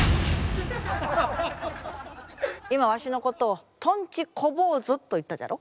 今わしのことをとんち小坊主と言ったじゃろ？